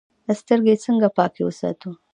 سترګې څنګه پاکې وساتو؟